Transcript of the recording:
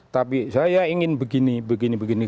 tapi saya ingin begini begini